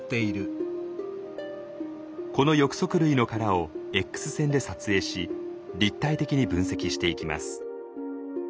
この翼足類の殻をＸ線で撮影し立体的に分析していきます。